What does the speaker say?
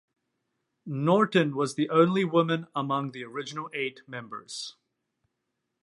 Norton was the only woman among the original eight members.